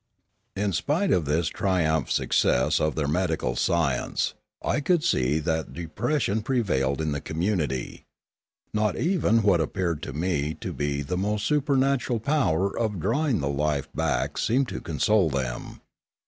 In spite of this triumphant success of their medical science, I could see that depression prevailed in the community. Not even what appeared to me to be the almost supernatural power of drawing the life back An Accident 351 seemed to console them.